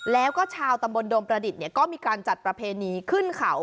แล้วก็ชาวตำบลโดมประดิษฐ์ก็มีการจัดประเพณีขึ้นเขา